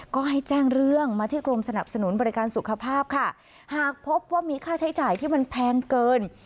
ก็ให้แจ้งเรื่องมาที่กรมสนับสนุนบริการสุขภาพค่ะหากพบว่ามีค่าใช้จ่ายที่มันแพงเกิน